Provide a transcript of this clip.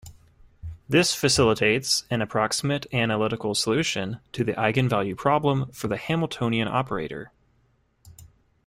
This facilitates an approximate analytical solution to the eigenvalue problem for the Hamiltonian operator.